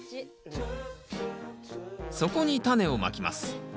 そこにタネをまきます。